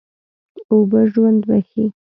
اوبه ژوند بښي.